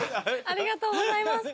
ありがとうございます。